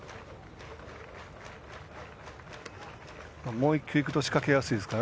もう１球いくと仕掛けやすいですから。